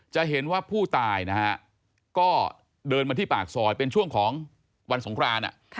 จะเห็นว่าผู้ตายนะฮะก็เดินมาที่ปากซอยเป็นช่วงของวันสงคราน